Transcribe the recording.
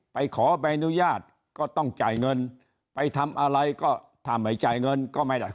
ขอใบอนุญาตก็ต้องจ่ายเงินไปทำอะไรก็ถ้าไม่จ่ายเงินก็ไม่ได้